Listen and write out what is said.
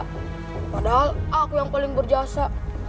padahal aku yang paling berjasa